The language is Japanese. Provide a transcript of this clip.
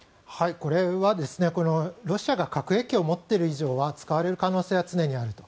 これはロシアが核兵器を持っている以上は使われる可能性は常にあると。